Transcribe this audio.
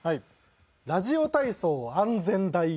ラジオ体操安全第一。